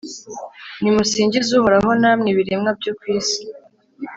nimusingize uhoraho, namwe biremwa byo ku isi